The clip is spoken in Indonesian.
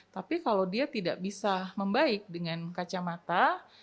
tapi kalau dia tidak bisa membaik dengan kacamata